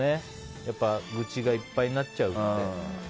やっぱり愚痴がいっぱいになっちゃうと。